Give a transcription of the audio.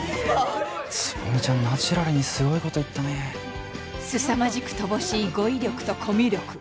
蕾未ちゃんナチュラルにすごいこと言ったねすさまじく乏しい語彙力とコミュ力